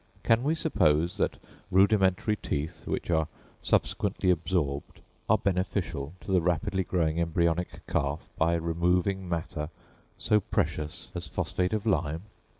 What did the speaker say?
Can we suppose that rudimentary teeth, which are subsequently absorbed, are beneficial to the rapidly growing embryonic calf by removing matter so precious as phosphate of lime?